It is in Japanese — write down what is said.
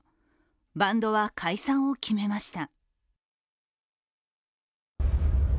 バンドは解散を決めました。